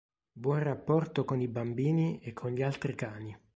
Buon rapporto con i bambini e con gli altri cani.